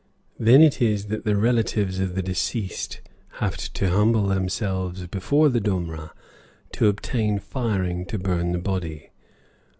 Then it is that the relatives of the deceased have to humble themselves before the domra to obtain firing to burn the body.